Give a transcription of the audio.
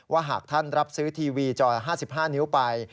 หากท่านรับซื้อทีวีจอละ๕๕นิ้วไป